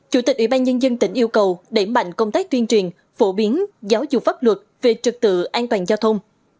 chủ tịch ủy ban nhân dân tỉnh yêu cầu đẩy mạnh công tác tuyên truyền phổ biến giáo dục pháp luật về trực tự an toàn giao thông